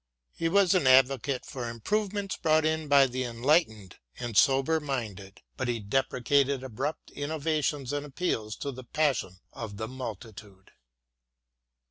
He was an advocate for improvements brought in by the enlightened and sober minded, but he deprecated abrupt innovations and appeals to the passion of the multitude.